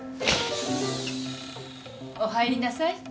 ・お入りなさい。